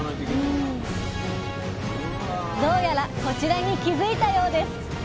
どうやらこちらに気付いたようです。